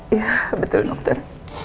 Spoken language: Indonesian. iya betul dokter